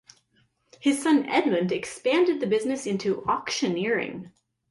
His son Edmund expanded the business into auctioneering.